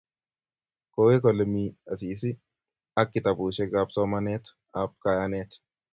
Kowek Ole mi Asisi ak kitabusiekab somanetab kayanet